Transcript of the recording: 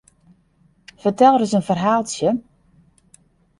Fertel ris in ferhaaltsje?